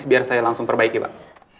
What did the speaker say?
biar saya langsung perbaiki pak